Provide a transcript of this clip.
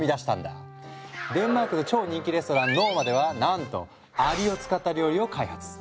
デンマークの超人気レストラン「ノーマ」ではなんとアリを使った料理を開発。